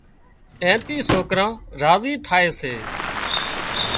اين ٿي سوڪران راضي ٿائي سي